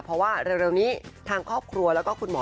เพราะว่าเร็วนี้ทางครอบครัวแล้วก็คุณหมอ